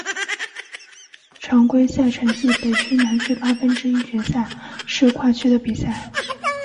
常规赛成绩北区南区八分之一决赛是跨区的比赛。